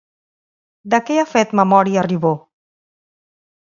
De què ha fet memòria Ribó?